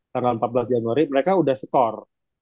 tanggal empat belas januari mereka udah setor